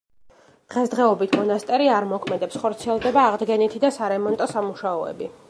დღესდღეობით მონასტერი არ მოქმედებს; ხორციელდება აღდგენითი და სარემონტო სამუშაოები.